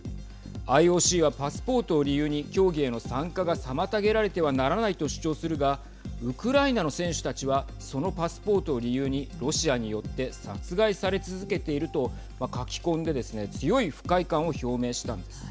ＩＯＣはパスポートを理由に競技への参加が妨げられてはならないと主張するがウクライナの選手たちはそのパスポートを理由にロシアによって殺害され続けていると書き込んでですね強い不快感を表明したんです。